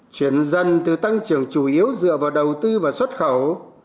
chuyển dần từ tăng trưởng chủ yếu dựa vào đầu tư và xuất khẩu